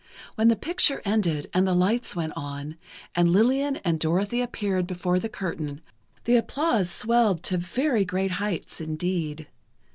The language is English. When the picture ended and the lights went on, and Lillian and Dorothy appeared before the curtain, the applause swelled to very great heights indeed.